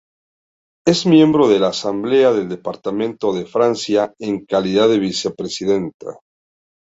Es miembro de la Asamblea de Departamentos de Francia en calidad de vicepresidenta.